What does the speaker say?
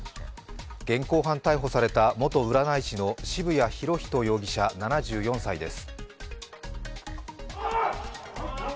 現行犯逮捕された元占い師の渋谷博仁容疑者７４歳です。